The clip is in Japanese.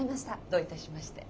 どういたしまして。